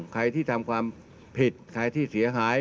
ใครที่ทำความผิดใครที่เสียหาย